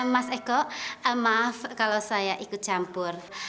mas eko maaf kalau saya ikut campur